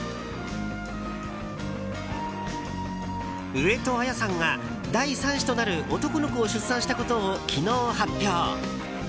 上戸彩さんが第３子となる男の子を出産したことを昨日、発表。